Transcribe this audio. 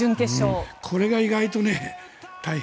これが意外と大変。